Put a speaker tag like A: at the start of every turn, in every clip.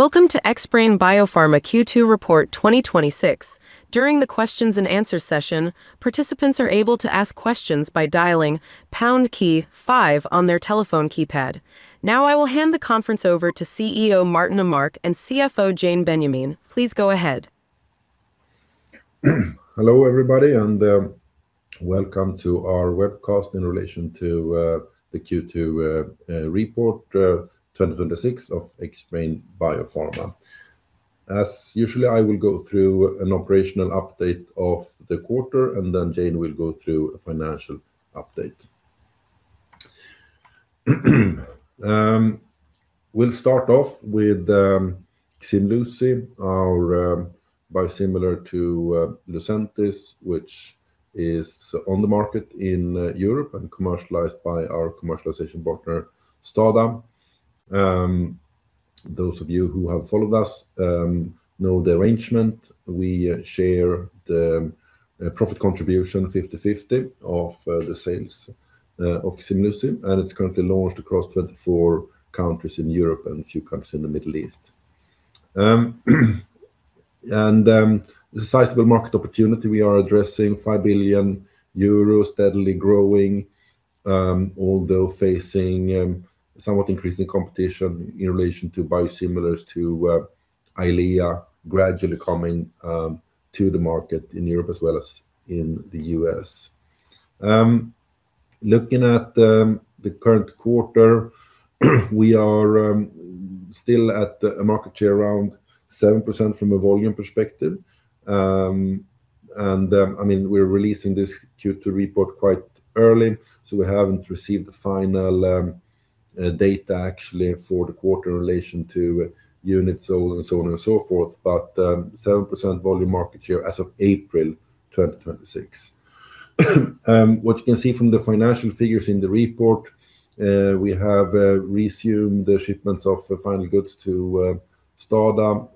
A: Welcome to Xbrane Biopharma Q2 report 2026. During the questions and answers session, participants are able to ask questions by dialing pound key five on their telephone keypad. I will hand the conference over to CEO Martin Åmark and CFO Jane Benyamin. Please go ahead.
B: Hello everybody, welcome to our webcast in relation to the Q2 report 2026 of Xbrane Biopharma. As usually, I will go through an operational update of the quarter. Jane will go through a financial update. We'll start off with Ximluci, our biosimilar to Lucentis, which is on the market in Europe and commercialized by our commercialization partner, STADA. Those of you who have followed us know the arrangement. We share the profit contribution 50/50 of the sales of Ximluci. It's currently launched across 24 countries in Europe and a few countries in the Middle East. The sizable market opportunity we are addressing, 5 billion euros, steadily growing, although facing somewhat increasing competition in relation to biosimilars to EYLEA gradually coming to the market in Europe as well as in the U.S. Looking at the current quarter, we are still at a market share around 7% from a volume perspective. We're releasing this Q2 report quite early, we haven't received the final data actually for the quarter in relation to units sold and so on and so forth, but 7% volume market share as of April 2026. What you can see from the financial figures in the report, we have resumed the shipments of final goods to STADA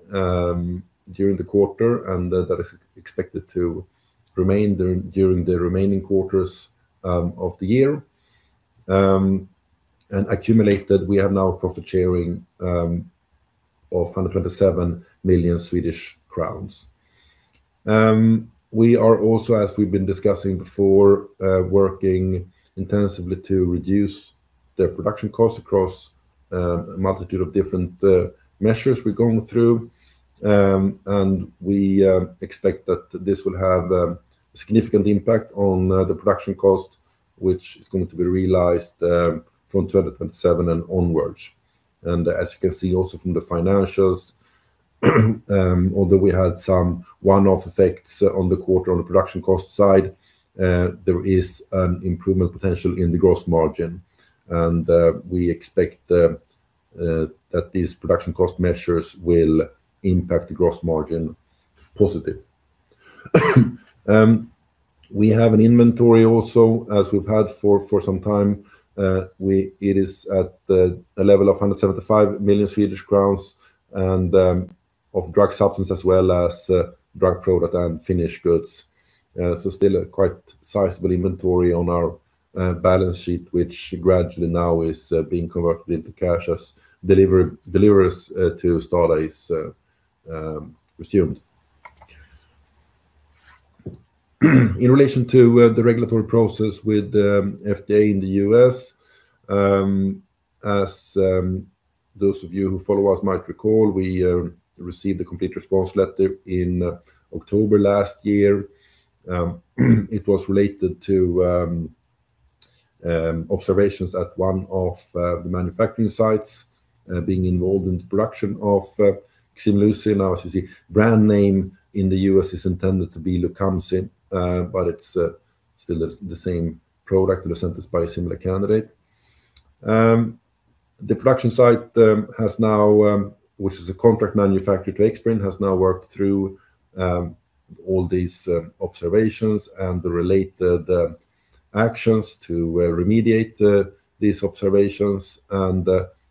B: during the quarter. That is expected to remain during the remaining quarters of the year. Accumulated, we have now profit sharing of 127 million Swedish crowns. We are also, as we've been discussing before, working intensively to reduce the production cost across a multitude of different measures we're going through. We expect that this will have a significant impact on the production cost, which is going to be realized from 2027 and onwards. As you can see also from the financials, although we had some one-off effects on the quarter on the production cost side, there is an improvement potential in the gross margin. We expect that these production cost measures will impact the gross margin positive. We have an inventory also as we've had for some time. It is at a level of 175 million Swedish crowns of drug substance as well as drug product and finished goods. Still a quite sizable inventory on our balance sheet, which gradually now is being converted into cash as deliveries to STADA is resumed. In relation to the regulatory process with FDA in the U.S., as those of you who follow us might recall, we received a complete response letter in October last year. It was related to observations at one of the manufacturing sites being involved in the production of Ximluci. As you see, brand name in the U.S. is intended to be Lucamzi, but it is still the same product, Lucentis biosimilar candidate. The production site, which is a contract manufacturer to Xbrane, has worked through all these observations and the related actions to remediate these observations, and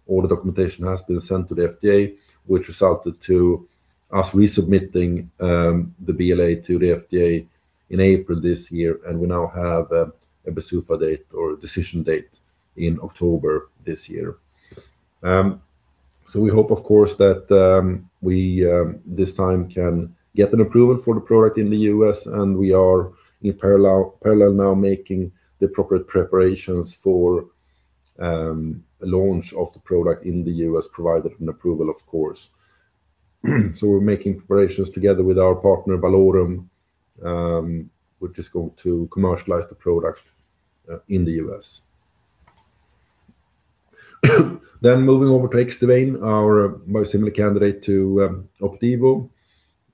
B: all the documentation has been sent to the FDA, which resulted to us resubmitting the BLA to the FDA in April this year. We now have a PDUFA date or decision date in October this year. We hope, of course, that we this time can get an approval for the product in the U.S., and we are in parallel now making the appropriate preparations for a launch of the product in the U.S., provided an approval, of course. We are making preparations together with our partner, Valorum Biologics, which is going to commercialize the product in the U.S. Moving over to Xdivane, our biosimilar candidate to OPDIVO.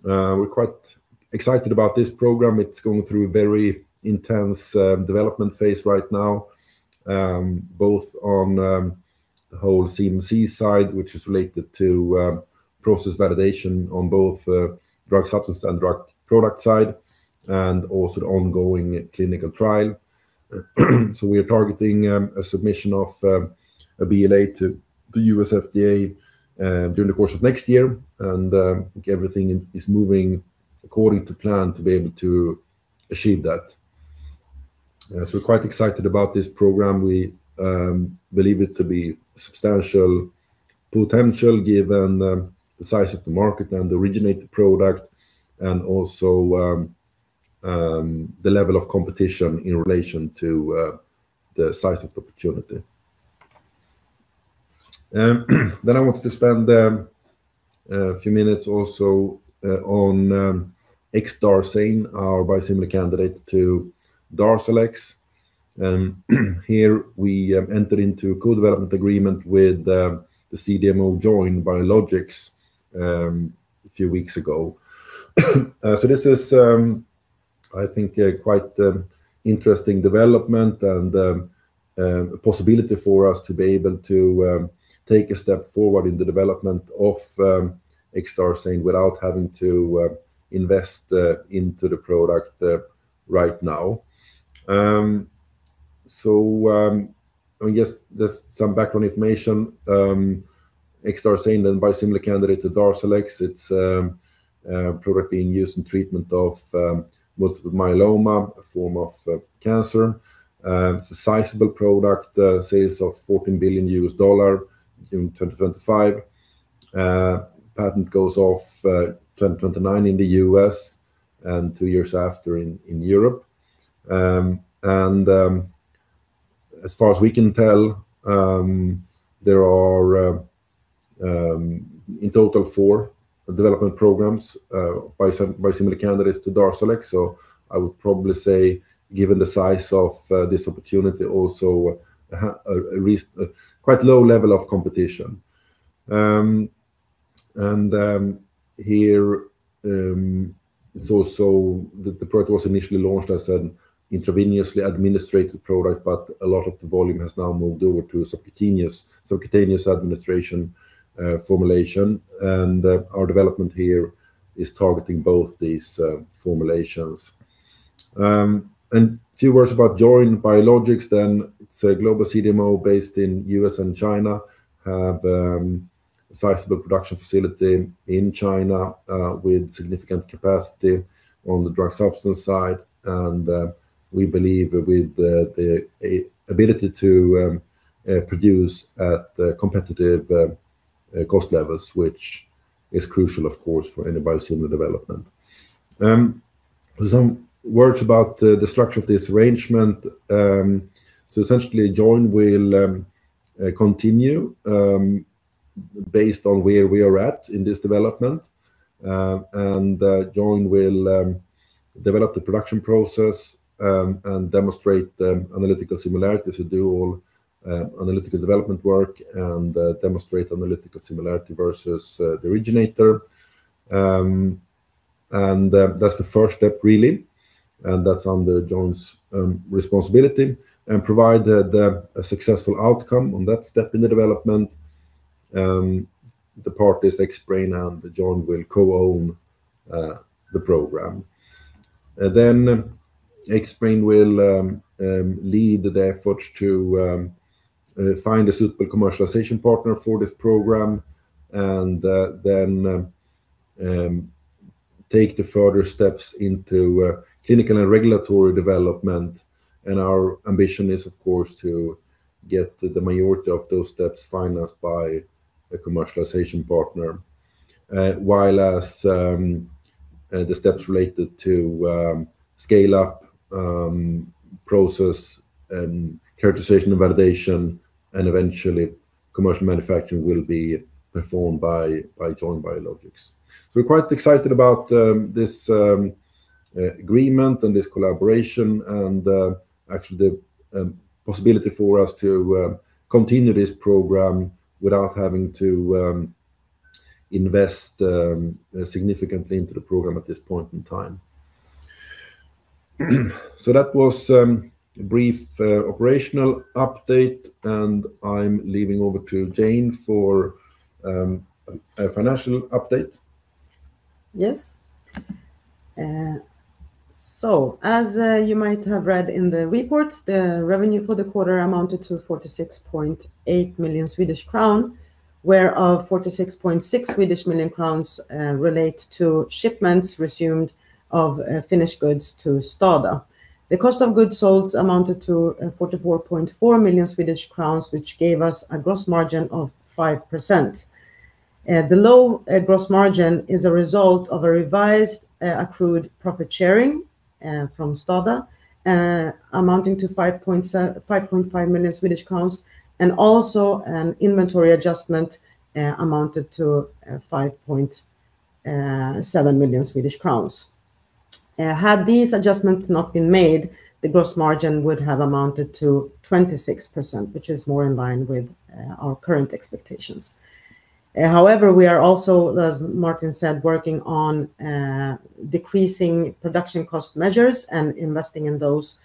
B: We are quite excited about this program. It is going through a very intense development phase right now, both on the whole CMC side, which is related to process validation on both drug substance and drug product side, and also the ongoing clinical trial. We are targeting a submission of a BLA to the U.S. FDA during the course of next year. I think everything is moving according to plan to be able to achieve that. We are quite excited about this program. We believe it to be substantial potential given the size of the market and the originated product, and also the level of competition in relation to the size of the opportunity. I wanted to spend a few minutes also on Xdarzane, our biosimilar candidate to DARZALEX. Here we entered into a co-development agreement with the CDMO JOINN Biologics a few weeks ago. This is, I think, a quite interesting development and a possibility for us to be able to take a step forward in the development of Xdarzane without having to invest into the product right now. Just some background information. Xdarzane, then biosimilar candidate to DARZALEX. It is a product being used in treatment of multiple myeloma, a form of cancer. It is a sizable product. Sales of $14 billion in 2025. Patent goes off 2029 in the U.S. and two years after in Europe. As far as we can tell, there are in total four development programs of biosimilar candidates to DARZALEX. I would probably say, given the size of this opportunity also, quite low level of competition. Here it is also the product was initially launched as an intravenously administered product, but a lot of the volume has now moved over to a subcutaneous administration formulation. Our development here is targeting both these formulations. A few words about JOINN Biologics then. It is a global CDMO based in U.S. and China. Have sizable production facility in China with significant capacity on the drug substance side. We believe with the ability to produce at competitive cost levels, which is crucial of course for any biosimilar development. Some words about the structure of this arrangement. Essentially, Join will continue based on where we are at in this development. Join will develop the production process and demonstrate analytical similarity to do all analytical development work and demonstrate analytical similarity versus the originator. That's the first step really, and that's under Join's responsibility and provide a successful outcome on that step in the development. The parties Xbrane and Join will co-own the program. Xbrane will lead the effort to find a suitable commercialization partner for this program and then take the further steps into clinical and regulatory development. Our ambition is, of course, to get the majority of those steps financed by a commercialization partner. While as the steps related to scale-up process and characterization and validation and eventually commercial manufacturing will be performed by JOINN Biologics. We're quite excited about this agreement and this collaboration and actually the possibility for us to continue this program without having to invest significantly into the program at this point in time. That was a brief operational update, and I'm leaving over to Jane for a financial update.
C: Yes. As you might have read in the report, the revenue for the quarter amounted to 46.8 million Swedish crown, whereof 46.6 million crowns relate to shipments resumed of finished goods to STADA. The cost of goods sold amounted to 44.4 million Swedish crowns, which gave us a gross margin of 5%. The low gross margin is a result of a revised accrued profit sharing from STADA amounting to 5.5 million Swedish crowns and also an inventory adjustment amounted to 5.7 million Swedish crowns. Had these adjustments not been made, the gross margin would have amounted to 26%, which is more in line with our current expectations. However, we are also, as Martin said, working on decreasing production cost measures and investing in those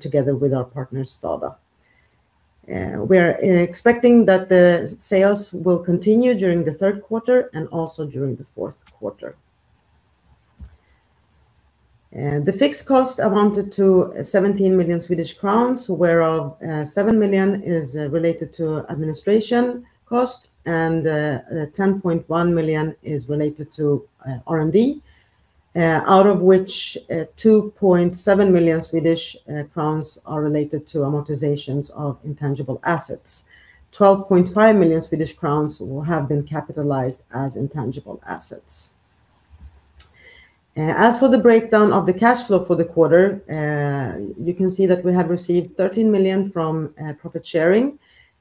C: together with our partner STADA. We're expecting that the sales will continue during the third quarter and also during the fourth quarter. The fixed cost amounted to 17 million Swedish crowns, whereof 7 million is related to administration cost and 10.1 million is related to R&D. Out of which 2.7 million Swedish crowns are related to amortizations of intangible assets. 12.5 million Swedish crowns have been capitalized as intangible assets. As for the breakdown of the cash flow for the quarter, you can see that we have received 13 million from profit sharing.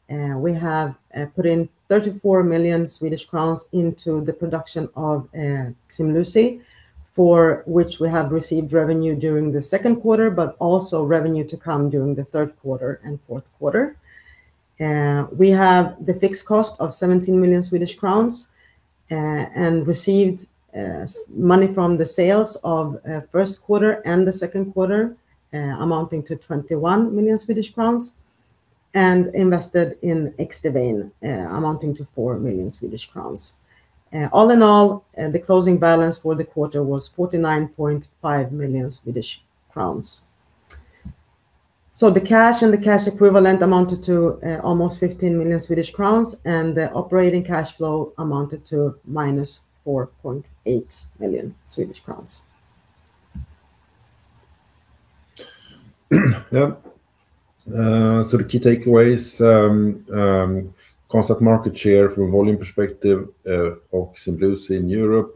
C: We have put in 34 million Swedish crowns into the production of Ximluci, for which we have received revenue during the second quarter, but also revenue to come during the third quarter and fourth quarter. We have the fixed cost of 17 million Swedish crowns and received money from the sales of first quarter and the second quarter amounting to 21 million Swedish crowns and invested in Xdivane amounting to 4 million Swedish crowns. All in all, the closing balance for the quarter was 49.5 million Swedish crowns. The cash and the cash equivalent amounted to almost 15 million Swedish crowns, and the operating cash flow amounted to minus 4.8 million Swedish crowns.
B: Yeah. The key takeaways, concept market share from volume perspective of Ximluci in Europe.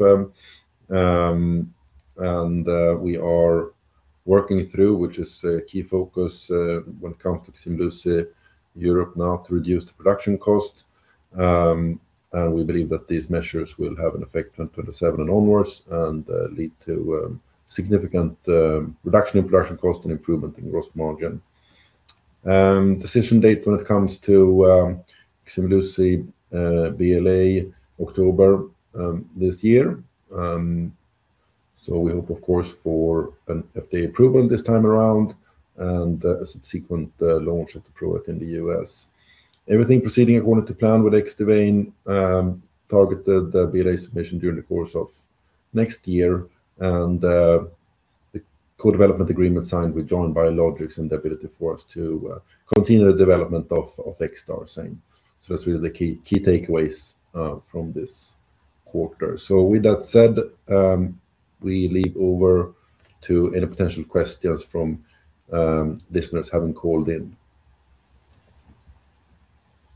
B: We are working through, which is a key focus when it comes to Ximluci. Europe now to reduce the production cost. We believe that these measures will have an effect on 2027 and onwards and lead to significant reduction in production cost and improvement in gross margin. Decision date when it comes to Ximluci BLA October this year. We hope, of course, for an FDA approval this time around and a subsequent launch of the product in the U.S. Everything proceeding according to plan with Xdivane, targeted BLA submission during the course of next year. The co-development agreement signed with JOINN Biologics and the ability for us to continue the development of Xdarzane. That's really the key takeaways from this quarter. With that said, we leave over to any potential questions from listeners having called in.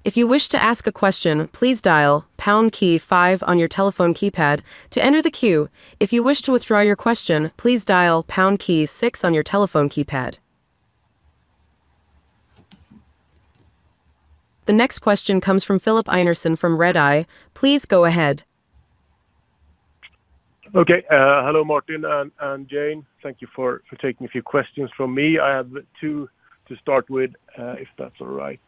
A: If you wish to ask a question, please dial pound key five on your telephone keypad to enter the queue. If you wish to withdraw your question, please dial pound key six on your telephone keypad. The next question comes from Filip Einarsson from Redeye. Please go ahead.
D: Hello, Martin and Jane. Thank you for taking a few questions from me. I have two to start with, if that's all right.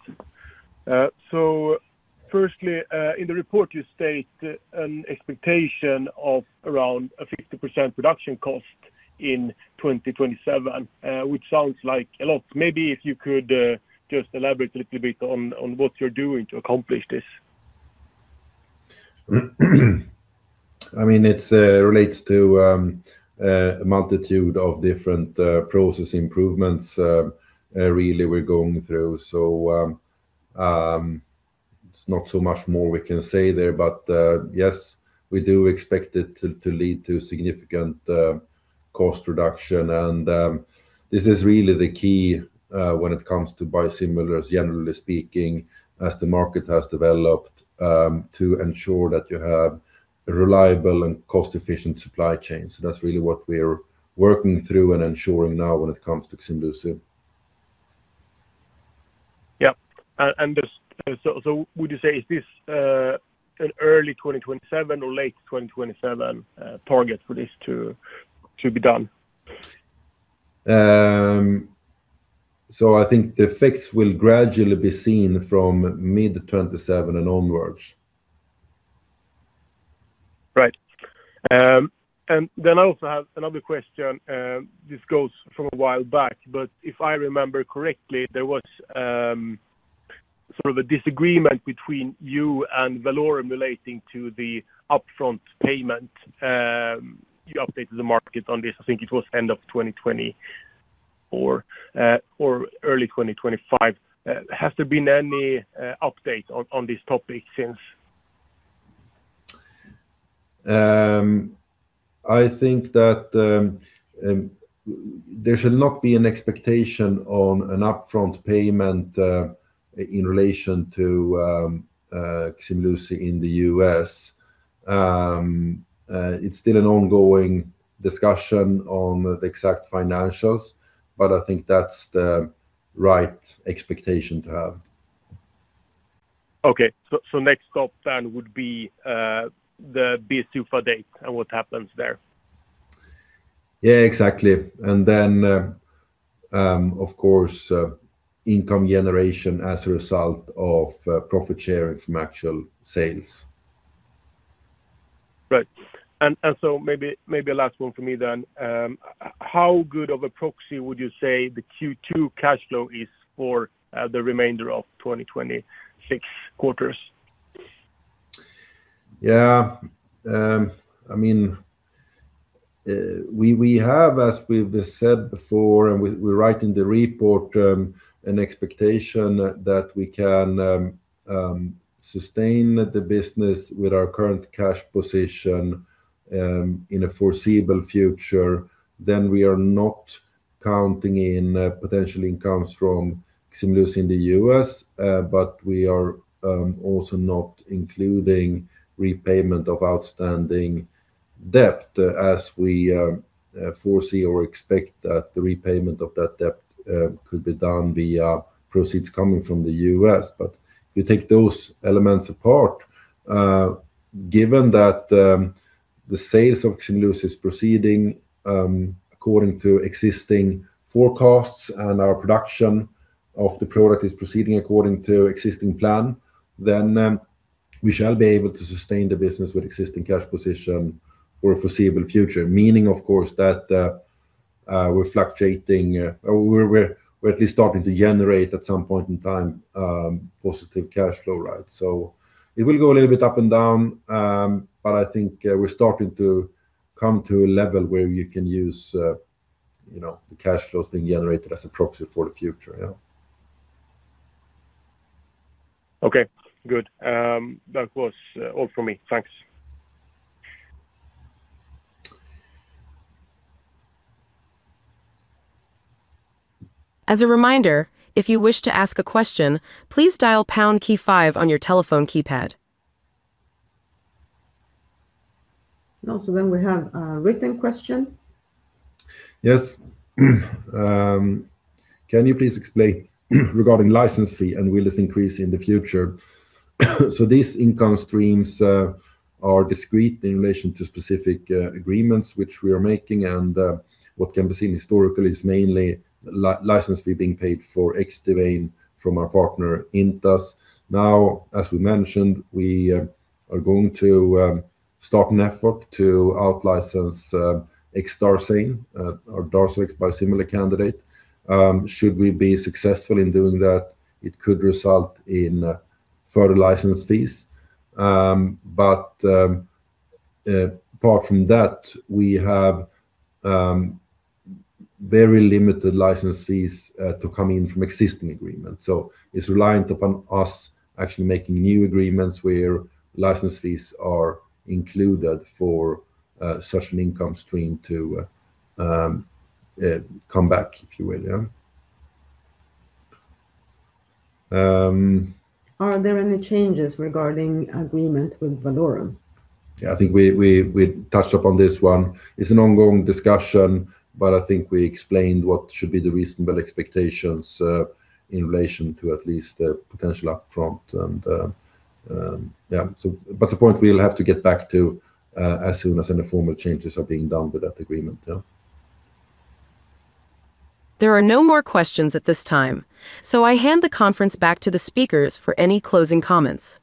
D: Firstly, in the report you state an expectation of around a 50% reduction cost in 2027, which sounds like a lot. Maybe if you could just elaborate a little bit on what you're doing to accomplish this.
B: It relates to a multitude of different process improvements really we're going through. It's not so much more we can say there, but yes, we do expect it to lead to significant cost reduction. This is really the key when it comes to biosimilars, generally speaking, as the market has developed, to ensure that you have reliable and cost-efficient supply chains. That's really what we're working through and ensuring now when it comes to Ximluci.
D: Yeah. Would you say, is this an early 2027 or late 2027 target for this to be done?
B: I think the effects will gradually be seen from mid 2027 and onwards.
D: Right. I also have another question. This goes from a while back, if I remember correctly, there was sort of a disagreement between you and Valorum Biologics relating to the upfront payment. You updated the market on this, I think it was end of 2020 or early 2025. Has there been any update on this topic since?
B: I think that there should not be an expectation on an upfront payment in relation to Ximluci in the U.S. It's still an ongoing discussion on the exact financials, I think that's the right expectation to have.
D: Okay. Next stop then would be the PDUFA date and what happens there.
B: Yeah, exactly. Of course, income generation as a result of profit sharing from actual sales.
D: Right. Maybe a last one from me then. How good of a proxy would you say the Q2 cash flow is for the remainder of 2026 quarters?
B: Yeah. We have, as we've said before, and we write in the report, an expectation that we can sustain the business with our current cash position in a foreseeable future. We are not counting in potential incomes from Ximluci in the U.S. but we are also not including repayment of outstanding debt as we foresee or expect that the repayment of that debt could be done via proceeds coming from the U.S. If you take those elements apart, given that the sales of Ximluci is proceeding according to existing forecasts and our production of the product is proceeding according to existing plan, we shall be able to sustain the business with existing cash position for the foreseeable future. Meaning, of course, that we're fluctuating, or we're at least starting to generate at some point in time, positive cash flow. It will go a little bit up and down, but I think we're starting to come to a level where you can use the cash flows being generated as a proxy for the future.
D: Okay, good. That was all from me. Thanks.
A: As a reminder, if you wish to ask a question, please dial pound key five on your telephone keypad.
C: Then we have a written question.
B: Yes. "Can you please explain regarding license fee and will this increase in the future?" These income streams are discrete in relation to specific agreements which we are making, and what can be seen historically is mainly license fee being paid for [extevein] from our partner, Intas Pharmaceuticals. Now, as we mentioned, we are going to start an effort to out-license Xdarzane, our DARZALEX biosimilar candidate. Should we be successful in doing that, it could result in further license fees. Apart from that, we have very limited license fees to come in from existing agreements. It's reliant upon us actually making new agreements where license fees are included for such an income stream to come back, if you will.
C: Are there any changes regarding agreement with Valorum?
B: I think we touched upon this one. It's an ongoing discussion, but I think we explained what should be the reasonable expectations in relation to at least a potential upfront. The point we'll have to get back to as soon as any formal changes are being done with that agreement.
A: There are no more questions at this time, so I hand the conference back to the speakers for any closing comments.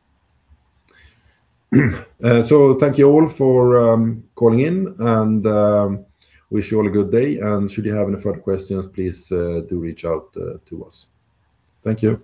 B: Thank you all for calling in and wish you all a good day. Should you have any further questions, please do reach out to us. Thank you.